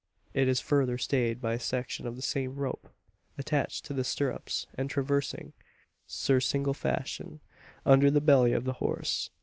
It is further stayed by a section of the same rope, attached to the stirrups, and traversing surcingle fashion under the belly of the horse.